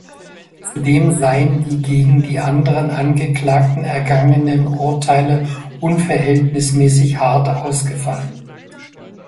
Zudem seien die gegen die anderen Angeklagten ergangenen Urteile unverhältnismäßig hart ausgefallen.